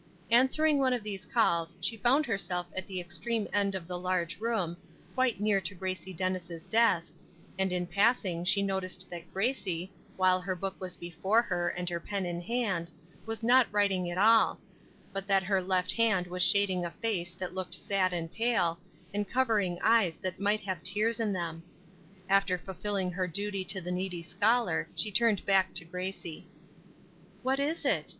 Answering one of these calls she found herself at the extreme end of the large room, quite near to Grace Dennis' desk, and in passing she noticed that Gracie, while her book was before her and her pen in hand, was not writing at all, but that her left hand was shading a face that looked sad and pale, and covering eyes that might have tears in them. After fulfilling her duty to the needy scholar she turned back to Grace. "What is it?"